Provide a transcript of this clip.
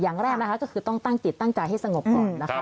อย่างแรกนะคะก็คือต้องตั้งจิตตั้งใจให้สงบก่อนนะคะ